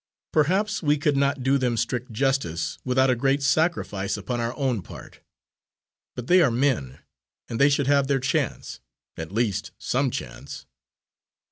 Perhaps we could not do them strict justice, without a great sacrifice upon our own part. But they are men, and they should have their chance at least some chance."